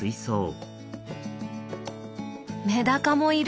メダカもいる！